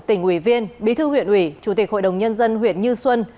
tỉnh ủy viên bí thư huyện ủy chủ tịch hội đồng nhân dân huyện như xuân